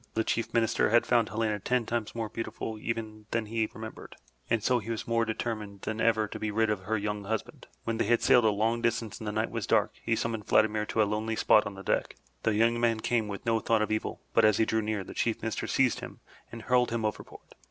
Now the Chief Minister had found Helena ten times more beautiful even than he remembered, and so he was more de termined than ever to be rid of her young husband. When they had sailed a long distance and the night was dark, he sum moned Vladimir to a lonely spot on the deck. The young man came with no thought of evil, but as he drew near, the Chief Minister seized him and hurled him overboard.